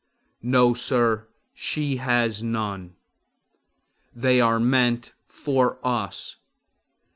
No, sir, she has none. They are meant for us.